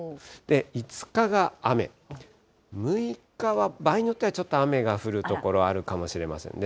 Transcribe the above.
５日が雨、６日は場合によっては雨が降る所あるかもしれませんね。